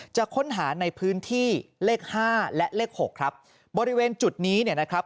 จะค้นหาในพื้นที่เลขห้าและเลขหกครับบริเวณจุดนี้เนี่ยนะครับ